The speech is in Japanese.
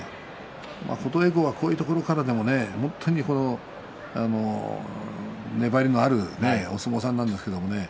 琴恵光は、こういうところからでも粘りのあるお相撲さんなんですけどね